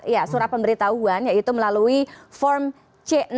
ya surat pemberitahuan yaitu melalui form c enam